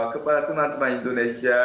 kepala teman teman indonesia